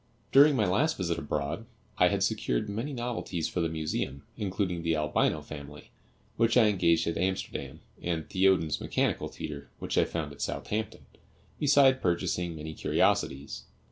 During my last visit abroad I had secured many novelties for the Museum, including the Albino Family, which I engaged at Amsterdam, and Thiodon's mechanical theatre, which I found at Southampton, beside purchasing many curiosities.